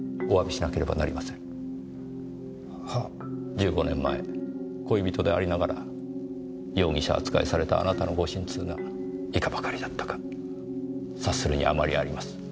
１５年前恋人でありながら容疑者扱いされたあなたのご心痛がいかばかりだったか察するに余りあります。